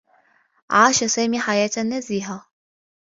عاش سامي حياة نزيهة.